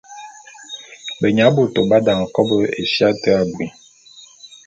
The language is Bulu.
Benya bôto b’adane kòbo éfia te abui.